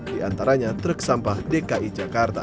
di antaranya truk sampah dki jakarta